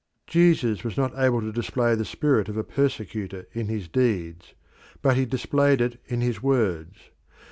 Jesus was not able to display the spirit of a persecutor in his deeds, but he displayed it in his words.